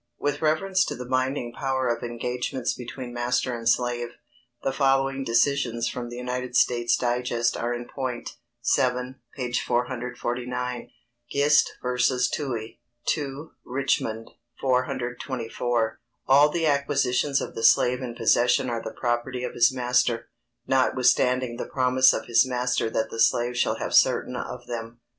With reference to the binding power of engagements between master and slave, the following decisions from the United States Digest are in point (7, p. 449): [Sidenote: Gist v. Toohey, 2 Rich. 424.] All the acquisitions of the slave in possession are the property of his master, notwithstanding the promise of his master that the slave shall have certain of them.